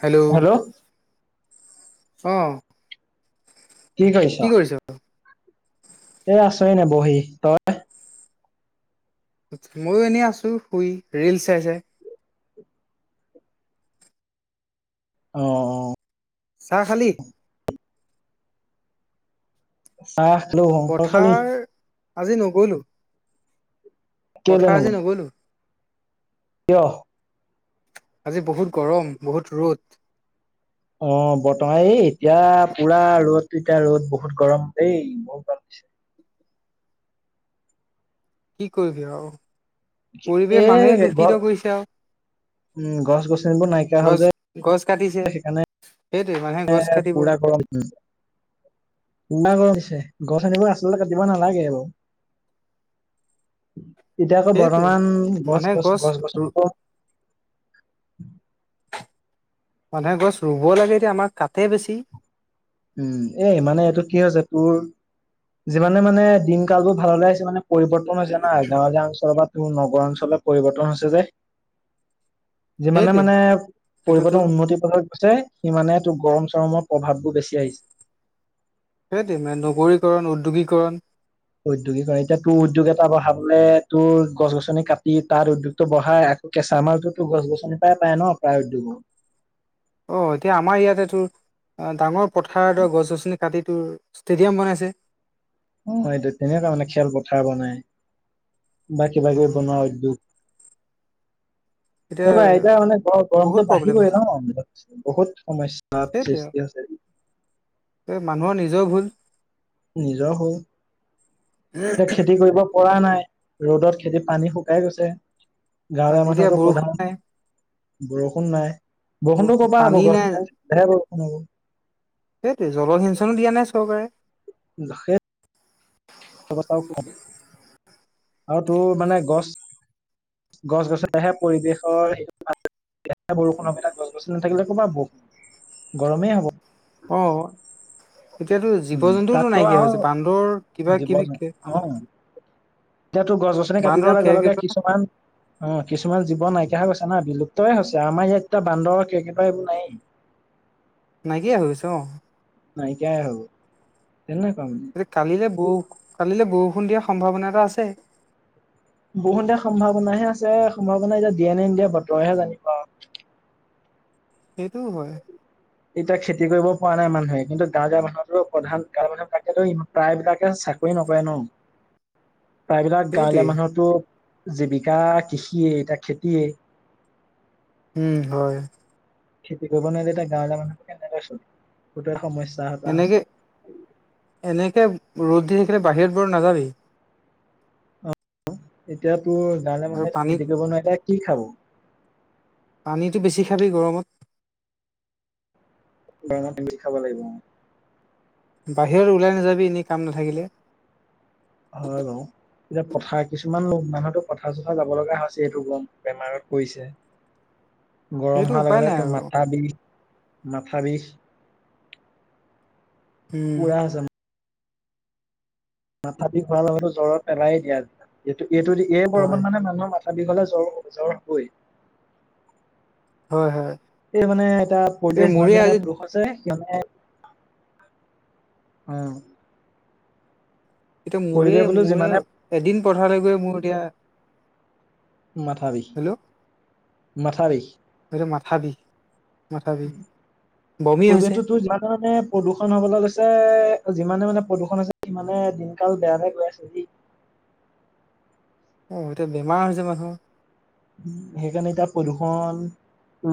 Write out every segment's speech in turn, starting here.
Hello অ কি কৰিছ এ আছো এনেই বহি তই মইও এনেই আছো শুই ৰিল চাই চাই অ চাহ খালি? চাহ খালো তই খালি? পথাৰ আজি নগলো কেলে পথাৰ আজি নগলি নগলো কিয় আজি বহুত গৰম বহুত ৰ'দ অ বৰ্তমান এই এতিয়া পুৰা ৰ'দ এতিয়া ৰ'দ বহুত গৰম এই বহুত গৰম দিছে কি কৰিবি আৰু পৰিৱেশ মানুহে এই গছ দূষিত কৰিছে আৰু উম গছ গছনিবোৰ নাইকিয়া হ'ল গছ যে গছ কাটিছে সেইকাৰণে সেইটোৱে মানুহে গছ এ কাটিব পুৰা গৰম ইমান গৰম দিছে গছ গছনিবোৰ আচলতে কাটিব নালাগে বাৰু এতিয়া আকৌ সেইটোৱে বৰ্তমান গছ গছ গছ গছনিবোৰ মানুহে গছ ৰুব লাগে এতিয়া আমাৰ কাটে বেছি উম এই মানে এইটো কি হৈছে তোৰ যিমানে মানে দিন কালবোৰ ভাললৈ আহিছে মানে পৰিৱৰ্তন হৈছে না গাঁৱলীয়া অঞ্চলত নগৰ অঞ্চলত পৰিৱৰ্তন হৈছে যে যিমানে সেইটোৱে মানে সেইটোতো পৰিৱৰ্তন উন্নতি পথত গৈছে সিমানে টোৰ গৰম চৰমৰ প্ৰভাৱ বোৰ বেছি আহিছে সেইট ইমান নগৰীকৰণ উদ্যোগীকৰণ উদ্যোগিকৰে এতিয়া তোৰ উদ্যোগ এটা বহাবলৈ তোৰ গছ গছনি কাটি তাত উদ্যোগটো বহাই কেঁচা মালটোতো গছ গছনিৰ পৰাই পায় ন প্ৰায় উদ্যোগৰ অ এতিয়া আমাৰ ইয়াতে তোৰ ডাঙৰ পথাৰ দ গছ গছনি কাটি তোৰ ষ্টেডিয়াম বনাইছে অ এইটো তেনেকুৱা মানে খেলপথাৰ বনাই বা কিবা অ কিবি বনোৱা উদ্যোগ সব এতিয়া মানে গ বহুত গৰমত প্ৰব্লেম বাঢ়িবই হৈছে ন বহুত সমস্যা তাপ সৃষ্টি হৈছে ঐ মানুহৰ নিজৰ ভুল নিজৰ ভুল এতিয়া খেতি কৰিব পৰা নাই। ৰ'দত খেতিত পানী শুকাই গৈছে কাৰণ গাঁৱলীয়া এতিয়া মানুহো টৌ বৰষুণ প্ৰধান নাই বৰষুণ নাই বৰষুণতো কবা হ'ব গছ নাই বৰষুণ হ'ব সেইটো জলসিঞ্চনো দিয়া নাই চৰকাৰে হেত কথাও ক আৰু তোৰ মানে গছ গছ বছালেহে পৰিৱেশৰ এতিয়া বৰষুণৰ তাত গছ গছনি নাথাকিলে ক'ৰব ব গৰমেই হ'ব অ এতিয়াতো জীৱ উম, জন্তুওতো তাতো নাইকিয়া আৰু হৈছে বান্দৰ কিবা জীৱ কেবি কে অ এতিয়াতো গছ গছনি কাটি বান্দৰ দিয়াৰ লগে লগে কেৰ্কেটুৱা কিছুমান অ কিছুমান জীৱ নাইকিয়া হৈ গৈছে না বিলুপ্তই হৈছে আমাৰ ইয়াত এয়া বান্দৰ কো এইবোৰ নায়েই নাইকিয়াই হৈ গৈছে আছে অ'। নাইকিয়াই হ'ব তেনেই কম। কালিলে বৰৌ কালিলে বৰষুণ দিয়াৰ সম্ভাৱনা এটা আছে। বৰষুণ দিয়াৰ সম্ভাৱনাহে আছে সম্ভাৱনা এতিয়া দিয়ে নে নিদিয়ে বতৰেহে জানিবা আৰু। সেইটোও হয়। এতিয়া খেতি কৰিব পৰা নাই মানুহে। কিন্তু গাঁৱে গাঁৱে মানুহটোৰ প্ৰধান গাৱৰ মানুহৰ তাকেটো ইমান প্ৰায়বিলাকে চাকৰি নকৰে ন। [inaudible] প্ৰায়বিলাক সেইটোৱে গাঁৱলীয়া মানুহতো জীৱিকা কৃষিয়ে এতিয়া খেতিয়েই। উম, হয়। খেতি কৰিব নোৱাৰি এতিয়া গাঁৱলীয়া মানুহ কেনেকৈ চলিব বহুতেৰ সমস্যা এটা এনেকে হৈছে। এনেকে ৰ'দ দি থাকিলে বাহিৰত বৰ নাযাবি। এতিয়া তোৰ গাঁৱলীয়া আৰু মানুহে পানীত খেতি কৰিব নোৱাৰিলে কি খাব। পানীটো বেছি খাবি গৰমত। [unintelligible] খাব লাগিব অ'। বাহিৰত ওলাই নাযাবি এনেই কাম নাথাকিলে। হয়, বাৰু। এতিয়া পথাৰ কিছুমান লোক মানুহতো পথাৰ চথাৰ যাব লগা হৈছে এইটো গম বেমাৰত পৰিছে। [inaudible] গৰম সেইটো হোৱাৰ উপায় লগে লগে নাই তোৰ আৰু। মাথা বিষ মাথা বিষ। উম। পুৰা হৈছে মাথা বিষ হোৱাৰ লগতো জ্বৰত পেলাই দিয়ে এইটো এইটো এই হয়, গৰমত মানে মানুহৰ মাথা বিয় হ'লে জ্বৰ জ্বৰ হ'বই। হয়, হয়। এই মানে এটা এতিয়া প্ৰদেশ মোৰে মানে নে আজি আছে মানে অ'। এতিয়া মোৰে পৰিৱেশ বোলো মোৰে যিমানে এদিন পথাৰলৈ গৈ মোৰ এতিয়া মাথা বিষ। হেল্ল'। মাথা বিষ। এইটো মাথা বিষ। মাথা বিষ উম, বমি হৈছে পৰিৱেশটোতো তোৰ যিমান মানে প্ৰদূষণ হ'বলৈ লৈছে যিমানে মানে প্ৰদূষণ আছে সিমানে দিনকাল বেয়া হৈ গৈ আছে দেই। অ', এতিয়া বেমাৰ হৈছে মানুহৰ। সেইকাৰণে এতিয়া প্ৰদূষণ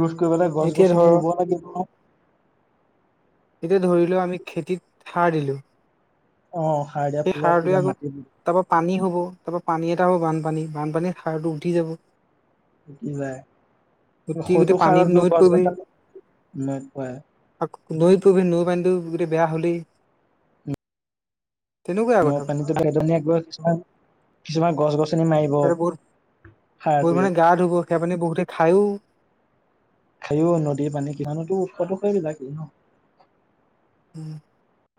ৰোধ কৰিবলৈ গছ এতিয়া ধৰ গছনি ৰুব লাগিব। এতিয়া ধৰি ল আমি খেতিত সাৰ দিলো। অ', সাৰ দিয়া সেই ফলত সাৰটোৱে এতিয়া আকৌ মাটি তাৰ পৰা পানী হ'ব তাৰ পৰা পানী এটা আৰু বানপানী বানপানীত সাৰটো উটি যাব। উটি যায় উঠি গোটেই সৈটো পানীত সাৰত গৈ নৈত গছ পৰিবহি গছনি [unintelligible] আকৌ নৈ পৰি নৈ পানীতো গোটেই বেয়া হ'লেই। তেনেকুৱাই নৈ কথাবোৰ পানীটো পা এইটো পানীয়ে গৈ কিছুমান কিছুমান গছ গছনি মাৰিব সেইটো বহুত বহুত সাৰটোৱে মানুহে গা ধুব সেয়া পানী বহুতে খায়ও। খাইও নদীৰ পানী কিমানতো উৎসতো সেইবিলাকে ন। উম।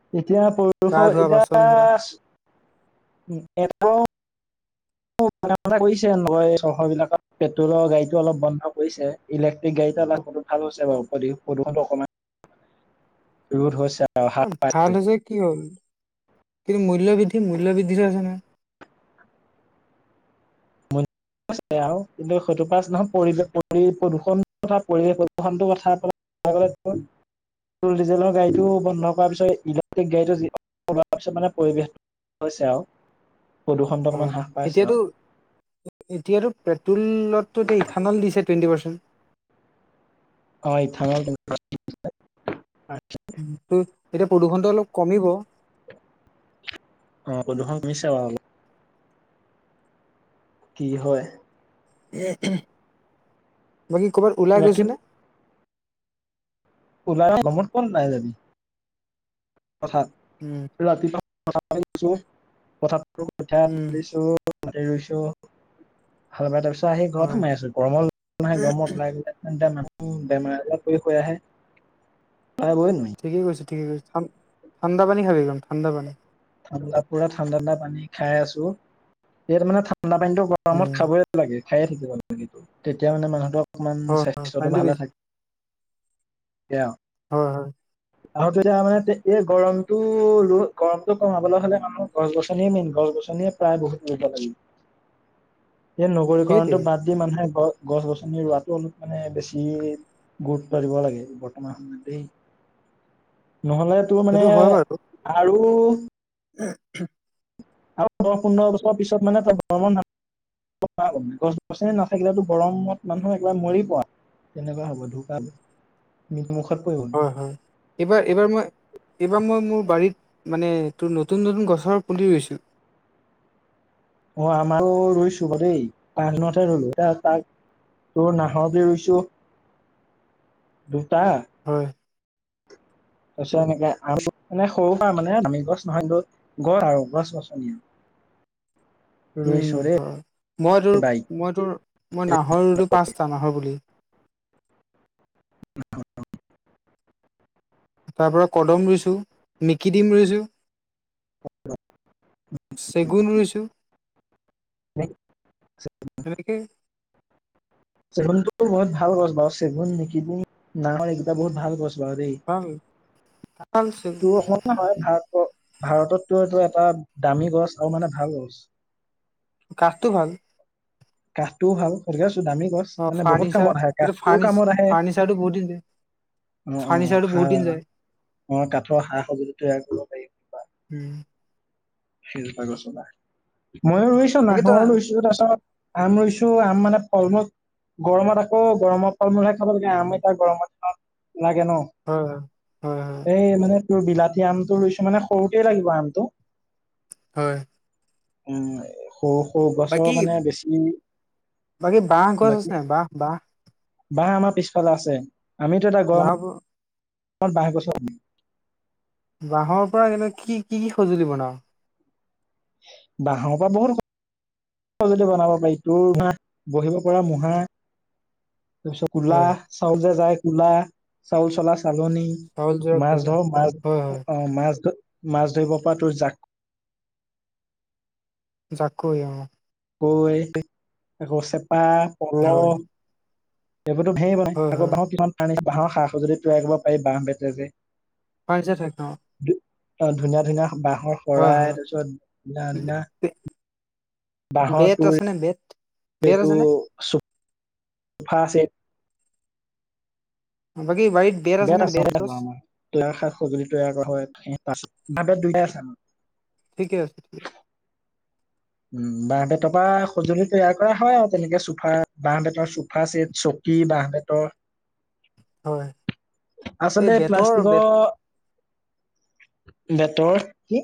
এতিয়া ধোৱা পৰিৱেশৰ এতিয়া [unintelligible] [inaudible] [unintelligible] কৰিছে নহয়, চহৰবিলাকত পেট্ৰলৰ গাড়ীটো অলপ বন্ধ কৰিছে। ইলেক্ট্ৰিক গাড়ীটা ওলাই ভাল হৈছে বাৰু ভাল প্ৰদূষণটো অকণমান ৰোধ হৈছে। আৰু হ্ৰাস ভাল পাইছে হৈছে কি হ'ল কিন্তু মূল্য বৃদ্ধি, মূল্য বৃদ্ধি হৈ আছে নহয়। হৈছে আৰু কিন্তু সেইটো পাছ নহয় পৰিৱেশ পৰি প্ৰদূষণ কথা পৰিৱেশ প্ৰদূষণটো কথা [unintelligible] টোল ডিজেলৰ গাড়ীটো বন্ধ কৰাৰ পিছত ইলেক্ট্ৰিক গাড়ীটো যোৱাৰ [unintelligible] মানে পৰিৱেশ হৈছে আৰু। প্ৰদূষণটো হয় অকমান হ্ৰাস পাইছে এতিয়াতো আৰু। এতিয়াতো পেট্ৰলতটো এতিয়া ইথানল দিছে টুৱেণ্টি পাৰ্চেণ্ট। হয় ইথানল [unintelligible] [unintelligible] এতিয়া প্ৰদূষণটো অলপ কমিব। অ' প্ৰদূষণ কমিছে বাৰু অলপ। কি হয়। বাকী ক'ৰবাত ওলাই বাকী গৈছনে? ওলাই [unintelligible] কথা। উম। [unintelligible] উম ৰুইছোঁ। ভাল পাই তাৰপিছত আহি ঘৰত হয় সোমাই আছোঁ। গৰমৰ গৰমত ওলাই গ'লে [unintelligible] উম, বেমাৰ আজাৰ পৰি হৈ আহে [unintelligible] ঠিকেই কৰিছে, ঠিকেই কৰিছে। ঠান ঠাণ্ডা পানী খাবি, একদম ঠাণ্ডা পানী। ঠাণ্ডা পুৰা, ঠাণ্ডা ঠাণ্ডা পানী খাই আছোঁ। যিহেতু মানে ঠাণ্ডা পানীটো গৰমত উম খাবই লাগে খাইয়ে থাকিব লাগেটো, তেতিয়া মানে মানুহটো অকনমান হয় হয় স্বাস্থ্যটো পানীটো ভালে বেছি থাক কে আৰু। হয় হয়। আৰু তেতিয়া মানে এই গৰমটো ৰ গৰম ত' কমাবলৈ হ'লে মানুহ গছ গছনি মেইন, গছ গছনিয়ে প্ৰায় বহুত ৰুব লাগে। সেই সেইটোৱে নগৰীকৰণটো বাদ দি মানুহে গ গছ গছনি ৰোৱাটো অলপ মানে বেছি গুৰুত্ব দিব লাগে বৰ্তমান সময়ত দেই, ন'হলে তোৰ মানে সেইটো হয় বাৰু আৰু [inaudible] আৰু দহ পোন্ধৰ বছৰৰ পিছত মানে তই ভ্ৰমণ [unintelligible] গছ গছনি নাথাকিলেতো গৰমত মানুহ একবাৰে মৰিব। তেনেকুৱা হ'ব ঢুকা, নিত মুখত পৰিব। হয় হয়। এইবাৰ, এইবাৰ মই এইবাৰ মই মোৰ বাৰীত মানে তোৰ নতুন নতুন গছৰ পুলি ৰুইছোঁ। অ' আমাৰো ৰুইছোঁ বাৰু দেই। পাঁচদিনতহে ৰুলো [unintelligible] তোৰ নাহৰ বিধ ৰুইছোঁ দুটা হয়। তাৰপিছত এনেকে আৰু মানে সৰু পৰা মানে দামী গছ নহয় [unintelligible] ঘৰ আৰু গছ গছনি। উম, ৰুইছো দেই হয়। মই তোৰ, বাইক মই তোৰ, মই নাহৰ ৰুলোঁ পাঁচটা নাহৰ পুলি। তাৰ পৰা কদম ৰুইছোঁ, মিকি ডিম ৰুইছোঁ। চেগুন ৰুইছোঁ। [unintelligible] [unintelligible] চেগুনটোতো বহুত ভাল গছ বাৰু চেগুন [unintelligible] এইকেইটা বহুত ভাল গছ ভাল ভাল [unintelligible] তোৰ হল [inaudible] ভাৰত ব ভাৰততটো এইটো এটা দামী গছ আৰু মানে ভাল গছ কাঠটো ভাল কাঠটোও ভাল [inaudible] দামী গছ অ মানে বহুত ফাৰ্ণিচাৰ কামত আহে! এইটো কাঠটোও ফাৰ্ণি কামত আহে! ফাৰ্ণিচাৰটো বহুত দিন অ', অ' ফাৰ্ণিচাৰটো সা বহুত দিন যায় অ' অ কাঠৰ সা সজুঁলি তৈয়াৰ কৰিব পাৰি! উম। সেইজোপা গছপা মইয়ো ৰুইছোঁ! বাকী তই নাহৰ ৰুইছোঁ তাৰপিছত আম ৰুইছোঁ! আম মানে ফলমূল গৰমত আকৌ গৰমৰ ফল মূলহে খাব লাগে! আম এতিয়া গৰমৰ দিনত লাগে ন হয়, হয়, হয়, হয়! এই মানে তোৰ বিলাতী আমটো ৰুইছোঁ, মানে সৰুতেই লাগিব আমটো হয়! উম, সৰু, সৰু বাকী গছৰ মানে বেছি বাকী বাঁহ গছ বাকী আছে নায় বাঁহ, বাঁহ বাঁহ আমাৰ পিছফালে আছে! আমিতো এটা গৰ বাঁহৰ মত, বাঁহগছ বাঁহৰ পৰা কেনে কি, কি, কি সঁজুলি বনাৱ বাঁহৰ পৰা বহুত সঁজুলি বনাব পাৰি! [unintelligible] বহিব পৰা মূঢ়া তাৰপিছত কুলা হয় চাউল যে জাৰে কুলা চাউল চলা চালনি চাউল জৰা মাছ কুলা ধৰ মাছ হয় হয় অ' মাছ, মাছ ধৰিব পৰা তোৰ জাক জাকৈ অ' কৈ, আকৌ চেপা পল' হয় হয় এইবোৰতো ধেই বনাই আকৌ হয় বাঁহৰ কিমান [unintelligible] বাঁহৰ সা সঁজুলিদি তৈয়াৰ কৰিব পাৰি বাঁহ বেতে যে পাইছে থাক ন অ' ধুনীয়া, ধুনীয়া বাঁহৰ হয় শৰাই হয়। তাৰপিছত ধুনা ধুনীয়া [inaudible] বাঁহৰ তোৰ আছেনে বেত? বেত এইটো আছেনে? চোফা চেট বাকী বাৰীত বেত আছেনে বেত গছ? [unintelligible] [unintelligible] উম, বাঁহ বেতৰ পৰা সঁজুলি তৈয়াৰ কৰা হয় আৰু তেনেকে চোফা বাহ বেতৰ চোফা চেট চব কি বাঁহ বেতৰ [inaudible] এই আচলতে বেতৰ প্লাষ্টিকৰ বেত বেতৰ কি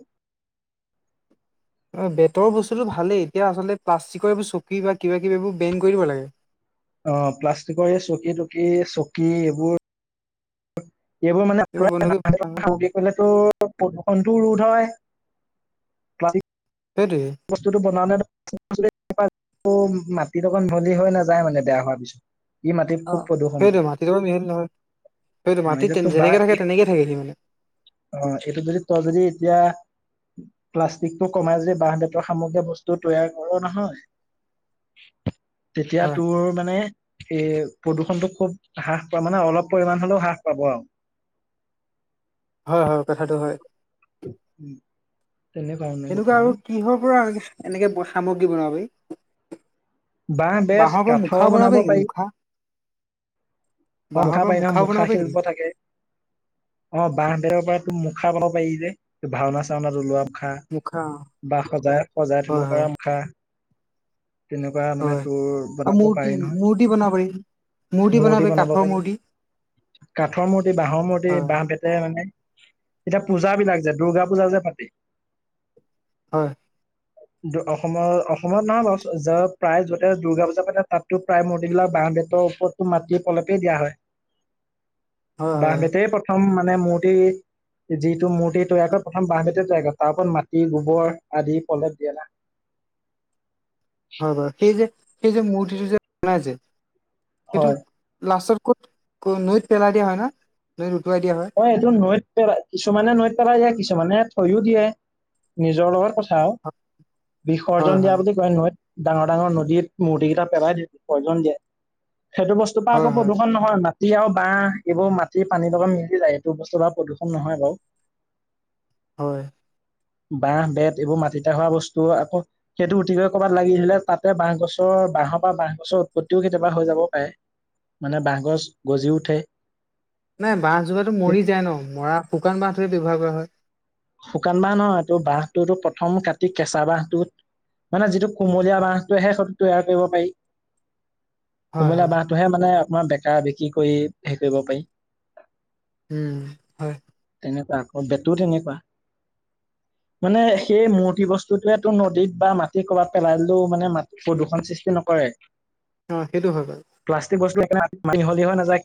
অ', বেতৰ বস্তুটো ভালেই, এতিয়া আচলতে প্লাষ্টিকৰ এইবোৰ চকী বা কিবা কিবি এইবোৰ বেন কৰি দিব লাগে! অ', প্লাষ্টিকৰ এই চকী টকী চকী এইবোৰ এইবোৰ মানে বন্ধ কৰি [unintelligible] প্ৰদূষণতটোও ৰোধ হয়! প্লাষ্টিক সেইটোৱে বস্তুটো [unintelligible] মাটি লগত মিহলি হৈ নাযায় মানে বেয়া হোৱাৰ পিছত ই মাটিত খুব অ', প্ৰদূষণ সেইটোৱে হয়। মাটিৰ লগত মিহলি নহয়, সেইটো অ মাটিত এতিয়াতো বাঁহ যেনেকে থাকে তেনেকেই থাকে সি মানে। অ', এইটো যদি তই যদি এতিয়া, প্লাষ্টিকটো কমাই যদি বাঁহ-বেত তৰ সামগ্ৰীয়ে বস্তু তৈয়াৰ কৰ নহয়, তেতিয়া হয়। তোৰ মানে এ প্ৰদূষণটো খুব হ্ৰাস পোৱা-মানে অলপ পৰিমাণে হ'লেও হ্ৰাস পাব আৰু। হয় হয়, কথাটো হয়। উম। তেনেকুৱা মা তেনেকুৱা আৰু কিহৰ পৰা এনেকে সামগ্ৰী বনাব পাৰি? বাঁহ বেত বাঁহৰ পৰা কাঠৰ মুখাও বনাব পাৰি নেকি মুখা? অ' বাঁহৰ মুখা পৰা পাৰি নহয়, মুখাও বনাব পাৰি নেকি? মুখাশিল্প থাকে। অ', বাঁহ-বেতৰ পৰা তোৰ মুখা বনাব পাৰি যে, এ ভাওনা-চাওনাত ওলোৱা। মুখা, বা সজাই-সজাই থ'ব হয় হয় পৰা মুখা। তেনেকুৱা মানে হয়। তোৰ আৰু বনাব মূৰ্তি পাৰি নহয়, মূৰ্তি বনাব পাৰি মূৰ্তি পাৰি বনাব কাঠৰ মূৰ্তি কাঠৰ মূৰ্তি, বাঁহৰ মূৰ্তি, হয় বাঁহ-বেত মানে, এতিয়া পূজা বিলাক যে, দূৰ্গা পূজা যে পাতে হয়। অসমৰ-অসমত নহয় বাৰু, প্ৰায় য'তে দুৰ্গা পূজা পাতে, তাততো প্ৰায় মূৰ্তিবিলাক বাঁহ-বেতৰ ওপৰত টো মাটিৰ প্ৰলেপেই দিয়া হয়। [inaudible] হয় বাঁহ-বেতেই প্ৰথম মানে মূৰ্তি যিটো মূৰ্তি তৈয়াৰ কৰে, প্ৰথম বাঁহ-বেতেই তৈয়াৰ কৰে, তাৰ ওপৰত মাটি, গোবৰ আদি প্ৰলেপ দিয়ে না। হয় বাৰু, সেই যে-সেই যে মূৰ্তিটো যে বনাই যে, হয় সেইটো লাষ্টত ক'ত-নৈত পেলাই দিয়া হয় ন, নৈত উটুৱাই দিয়া হয়? অ', এইটো নৈত পেলাই-কিছুমানে নৈত পেলাই দিয়ে, কিছুমানে থৈও দিয়ে, নিজৰ লগত কথ থা আৰু, বিসৰ্জন হয় দিয়া হয় বুলি কয় নৈত। ডাঙৰ ডাঙৰ নদীত মূৰ্তি কেইটা পেলাই দিয়ে-বিসৰ্জন দিয়ে, সেইটো বস্তুৰ পৰা আকৌ প্ৰদূষণ নহ হয়, মাটি আৰু বাঁহ, এইবোৰ মাটিৰ পানীৰ লগা মিহলি যায়, এইটো বস্তু পৰা প্ৰদূষণ নহয় বাৰু। হয়। বাঁহ, বেত, এইবোৰ মাটিতে হোৱা বস্তু আকৌ সেইটো উটিগৈ ক'ৰবাত লাগি আহিলে তাতে বাঁহ গছৰ-বাঁহৰ পৰা বাঁহ গছৰ উৎপত্তিও কেতিয়াবা হৈ যাব পাৰে। মানে বাঁগ গছ গজি উঠে। নাই, বাঁহ জোপাতো মৰি যায় ন, মৰা-শুকান বাঁহটোহে ব্যৱহাৰ কৰা হয়। শুকান বাঁহ নহয়, তোৰ বাঁহটোতো প্ৰথম কাটি কেঁচা বাঁহটোত মানে যিটো কুমলীয়া বাঁহটোৱেহে সেইটো তৈয়াৰ কৰিব পাৰি। [inaudible] কুমলীয়া বাঁহটোহে মানে অকমান বেকা-বেকি কৰি হেৰি কৰিব পাৰি। উম, হয়। তেনেকুৱা আকৌ, বেতু তেনেকুৱা। মানে সেই মূৰ্তি বস্তুটোৱে তোৰ নদীত বা মাটিত ক'ৰবাত পেলালি দিলেও মানে মাটি প্ৰদূষণ সৃষ্টি নকৰে। অ', সেইটো হয় বাৰু। প্লাষ্টিক বস্তু একেবাৰে মাটিত মিহলি হৈ নাযায় কিন্তু।